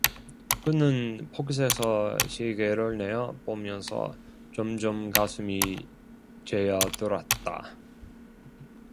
그는 포켓에서 시계를 내어 보면서 점점 가슴이 죄어들었다.